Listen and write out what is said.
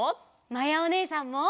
まやおねえさんも！